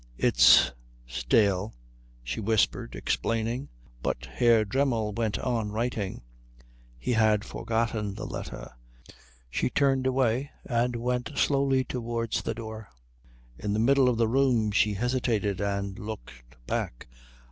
"It's stale," she whispered, explaining. But Herr Dremmel went on writing. He had forgotten the letter. She turned away and went slowly towards the door. In the middle of the room she hesitated, and looked back.